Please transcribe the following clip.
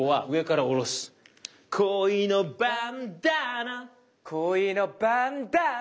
「恋のバンダナ」「恋のバンダナ」